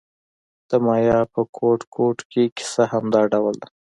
د مایا په ګوټ ګوټ کې کیسه همدا ډول ده.